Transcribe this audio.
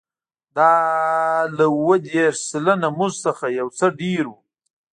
دا له اووه دېرش سلنه مزد څخه یو څه ډېر و